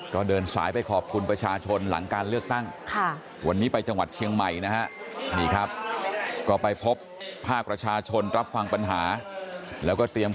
ก็เดินสายไปขอบคุณประชาชนหลังการเลือกตั้ง